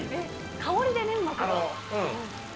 香りで粘膜が？